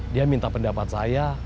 dia minta pendapat saya